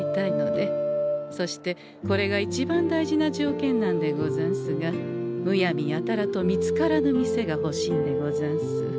そしてこれが一番大事な条件なんでござんすがむやみやたらと見つからぬ店がほしいんでござんす。